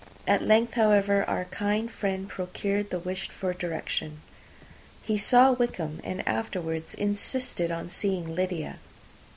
At length, however, our kind friend procured the wished for direction. They were in Street. He saw Wickham, and afterwards insisted on seeing Lydia.